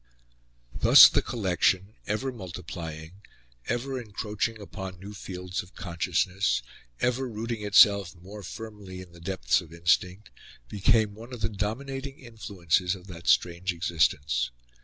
Thus the collection, ever multiplying, ever encroaching upon new fields of consciousness, ever rooting itself more firmly in the depths of instinct, became one of the dominating influences of that strange existence.